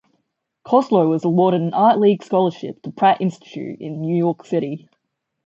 Koslow was awarded an Art League scholarship to Pratt Institute in New York City.